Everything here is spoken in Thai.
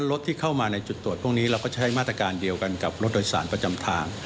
รถที่เข้ามาในจุดตรวจพวกนี้เราก็ใช้มาตรการเดียวกันกับรถโดยสารประจำทาง